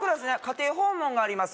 家庭訪問？